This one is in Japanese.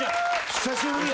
久しぶりや。